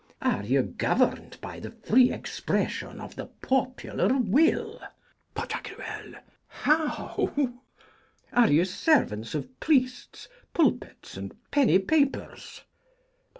Are you governed by the free expression of the popular will? Pan.: How? Are you servants of priests, pulpits, and penny papers?